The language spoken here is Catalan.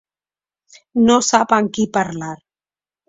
No sap amb qui parlar.